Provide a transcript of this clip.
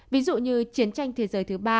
ví dụ như chiến tranh thế giới thứ ba